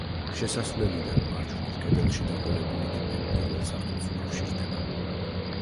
შესასვლელიდან მარჯვნივ კედელში დაყოლებული კიბე პირველ სართულს უკავშირდება.